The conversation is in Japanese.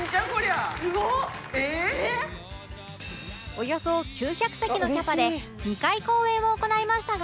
およそ９００席のキャパで２回公演を行いましたが